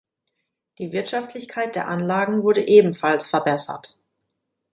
Die Wirtschaftlichkeit der Anlagen wurde ebenfalls verbessert.